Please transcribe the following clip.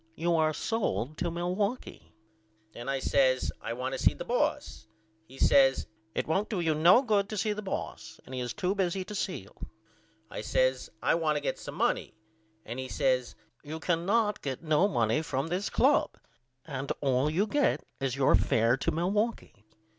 You are sold to Milwaukee. Then I says I want to see the boss. He says It won't do you no good to see the boss and he is to busy to see you. I says I want to get some money. And he says You cannot get no money from this club and all you get is your fair to Milwaukee.